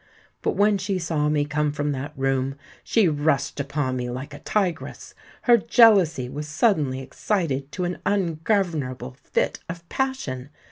But when she saw me come from that room, she rushed upon me like a tigress: her jealousy was suddenly excited to an ungovernable fit of passion.